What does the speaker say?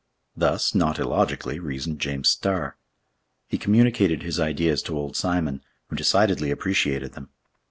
Thus, not illogically, reasoned James Starr. He communicated his ideas to old Simon, who decidedly appreciated them.